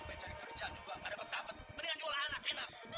capek cari kerja juga gak dapat dapat mendingan jual anak enak